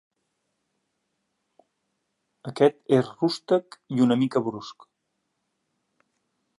Aquest és rústec i una mica brusc.